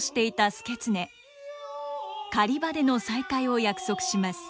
狩場での再会を約束します。